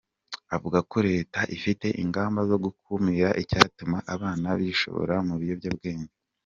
Avuga ko Leta ifite ingamba zo gukumira icyatuma abana bishora mu biyobyabwenge.